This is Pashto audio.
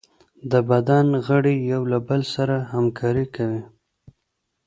د بدن غړي یو له بل سره همکاري کوي.